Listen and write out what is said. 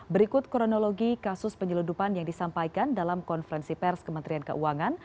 berikut kronologi kasus penyeludupan yang disampaikan dalam konferensi pers kementerian keuangan